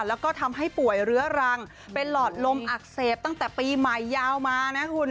แล้วก็ทำให้ป่วยเรื้อรังเป็นหลอดลมอักเสบตั้งแต่ปีใหม่ยาวมานะคุณ